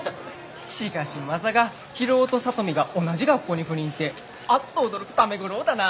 しかしまさか博夫と里美が同じ学校に赴任ってアッと驚く為五郎だな。